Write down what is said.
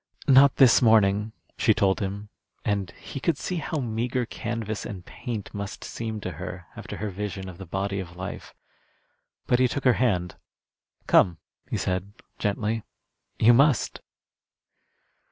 "Not this morning," she told him, and he could see how meagre canvas and paint must seem to her after her vision of the body of life. But he took her hand. "Come," he said, gently; "you must."